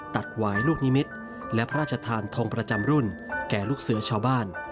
หวายลูกนิมิตรและพระราชทานทงประจำรุ่นแก่ลูกเสือชาวบ้าน